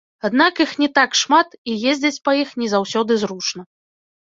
Аднак, іх не так шмат і ездзіць па іх не заўсёды зручна.